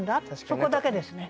そこだけですね。